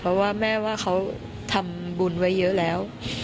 เพราะว่าแม่ว่าเขาทำบุญไว้เยอะแล้ว